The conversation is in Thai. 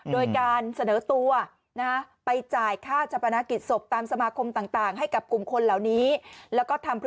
โดยการเสนอตัวไปจ่ายค่าจับประณะกิจศพ